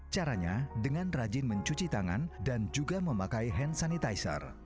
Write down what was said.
caranya dengan rajin mencuci tangan dan juga memakai hand sanitizer